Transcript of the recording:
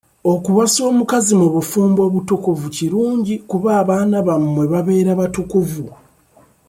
Okuwasa omukazi mu bufumbo obutukuvu kirungi kuba abaana bammwe babeera batukuvu.